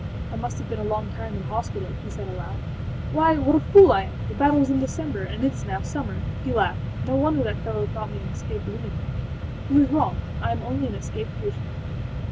âI must have been a long time in hospital,â he said aloud. âWhy what a fool I am! The battle was in December, and it is now summer!â He laughed. âNo wonder that fellow thought me an escaped lunatic. He was wrong: I am only an escaped patient.